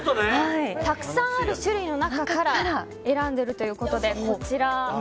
たくさんある種類の中から選んでいるということで。